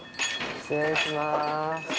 失礼します。